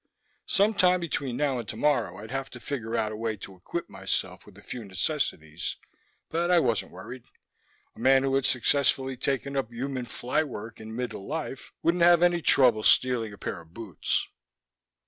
Some time between now and tomorrow I'd have to figure out a way to equip myself with a few necessities, but I wasn't worried. A man who had successfully taken up human fly work in middle life wouldn't have any trouble stealing a pair of boots.